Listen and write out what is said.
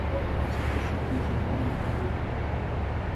Morcant's first name is a form of Morgan.